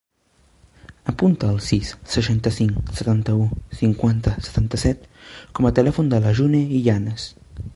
Apunta el sis, seixanta-cinc, setanta-u, cinquanta, setanta-set com a telèfon de la June Illanes.